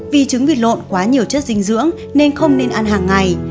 vì trứng vịt lộn quá nhiều chất dinh dưỡng nên không nên ăn hàng ngày